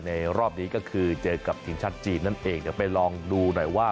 รอบนี้ก็คือเจอกับทีมชาติจีนนั่นเองเดี๋ยวไปลองดูหน่อยว่า